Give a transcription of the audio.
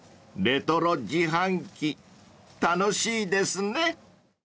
［レトロ自販機楽しいですね］